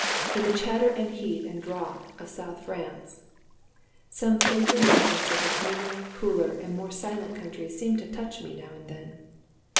In the chatter and heat and drought of South France some faint remembrance of a greener, cooler, and more silent country seemed to touch me now and then.